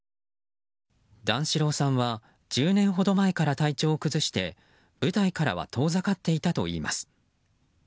段四郎さんは１０年ほど前から体調を崩して舞台からは遠ざかっていたといいます。